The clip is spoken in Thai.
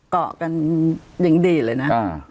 เกาะกันอย่างดีเลยนะ